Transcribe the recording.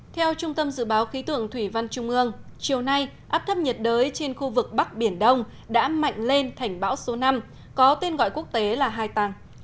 theo trung tâm dự báo khí tượng thủy văn trung ương chiều nay áp thấp nhiệt đới trên khu vực bắc biển đông đã mạnh lên thành bão số năm có tên gọi quốc tế là hai tàng